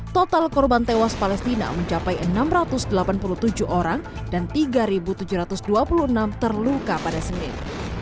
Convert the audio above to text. total korban tewas palestina mencapai enam ratus delapan puluh tujuh orang dan tiga tujuh ratus dua puluh enam terluka pada senin